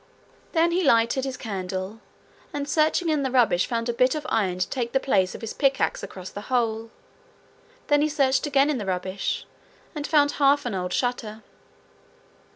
Then he lighted his candle and searching in the rubbish found a bit of iron to take the place of his pickaxe across the hole. Then he searched again in the rubbish, and found half an old shutter.